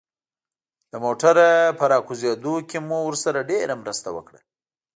له موټره په راکوزېدو کې مو ورسره ډېره مرسته وکړه.